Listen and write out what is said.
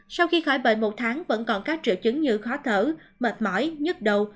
sau khi khỏi bệnh một tháng vẫn còn các triệu chứng như khó thở mệt mỏi nhức đầu